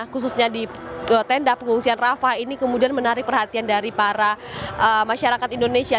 khususnya di tenda pengungsian rafah ini kemudian menarik perhatian dari para masyarakat indonesia